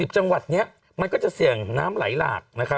จังหวัดนี้มันก็จะเสี่ยงน้ำไหลหลาก